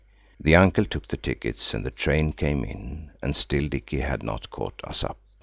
The uncle took the tickets and the train came in and still Dicky had not caught us up.